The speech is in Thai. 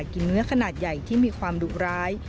กินเนื้อขนาดใหญ่ที่มีความดุร้าย